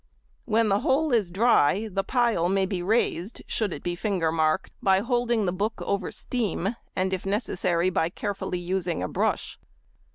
When the whole is dry the pile may be raised, should it be finger marked, by holding the book over steam, and if necessary by carefully using a brush.